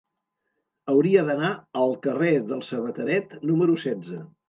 Hauria d'anar al carrer del Sabateret número setze.